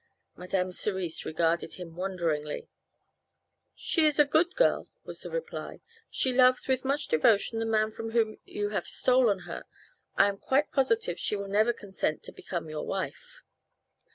Madame Cerise regarded him wonderingly. "She is a good girl," was her reply. "She loves with much devotion the man from whom you have stolen her. I am quite positive she will never consent to become your wife."